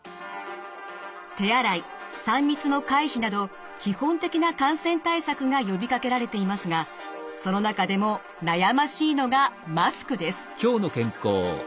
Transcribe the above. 手洗い３密の回避など基本的な感染対策が呼びかけられていますがその中でも悩ましいのがマスクです。